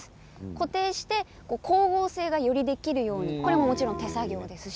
固定して光合成がよりできるようにこれも、もちろん手作業です。